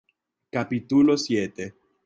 capítulo siete.